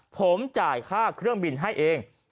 ผมจ่ายค่าเครื่องบินให้เอง